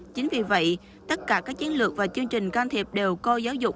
chính vì vậy tất cả các chiến lược và chương trình can thiệp đều coi giáo dục